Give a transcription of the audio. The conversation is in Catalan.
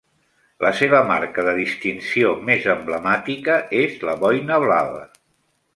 La seva marca de distinció més emblemàtica és la boina blava.